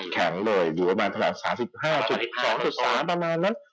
แข็งเลยอยู่ประมาณขนาด๓๕๒๓ประมาณนั้น